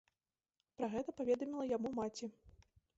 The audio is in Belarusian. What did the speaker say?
Пра гэта паведаміла яму маці.